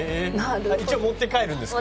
一応持って帰るんですか？